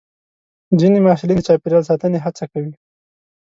ځینې محصلین د چاپېریال ساتنې هڅه کوي.